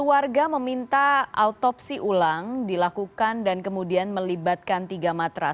emang dia meminta autopsi ulang dilakukan dan kemudian melibatkan tiga matrah